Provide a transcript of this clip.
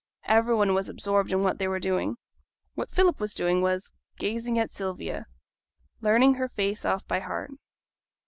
Every one was absorbed in what they were doing. What Philip was doing was, gazing at Sylvia learning her face off by heart.